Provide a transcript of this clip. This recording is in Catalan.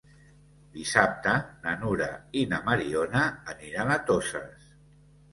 Dissabte na Nura i na Mariona aniran a Toses.